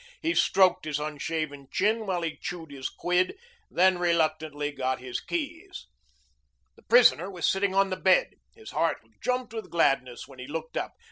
He stroked his unshaven chin while he chewed his quid, then reluctantly got his keys. The prisoner was sitting on the bed. His heart jumped with gladness when he looked up.